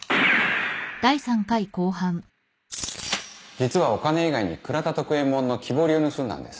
実はお金以外に倉田徳右衛門の木彫りを盗んだんです。